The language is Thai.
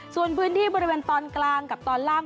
ส่วนพื้นที่บริเวณตอนกลางกับตอนล่าง